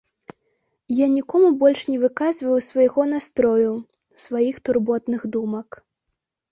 Я нікому больш не выказваю свайго настрою, сваіх турботных думак.